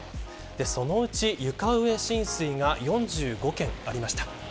そのうち床上浸水が４５件ありました。